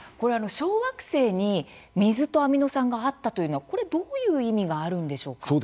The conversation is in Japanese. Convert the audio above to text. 小惑星に水とアミノ酸があったというのはどういう意味があるんでしょうか？